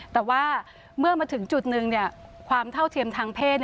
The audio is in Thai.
แต่ว่าเมื่อมาถึงจุดหนึ่งความเท่าเทียมทางเพศ